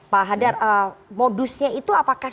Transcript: pak hadar modusnya itu apakah